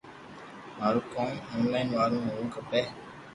مارو ڪوم اونلائن وارو ھووُہ کپي